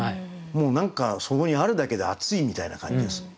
もう何かそこにあるだけであついみたいな感じがする。